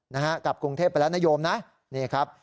นะฮะกลับกรุงเทพไปแล้วนโยมนะนี่ครับ